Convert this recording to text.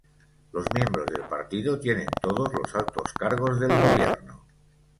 Los miembros del partido tienen todos los altos cargos del gobierno.